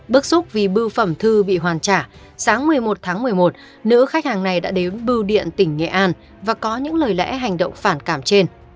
bức xúc vì bưu phẩm thư bị hoàn trả sáng một mươi một tháng một mươi một nữ khách hàng này đã đến bưu điện tỉnh nghệ an và có những lời lẽ hành động phản cảm trên